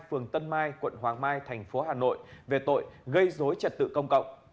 phường tân mai quận hoàng mai tp hà nội về tội gây dối trật tự công cộng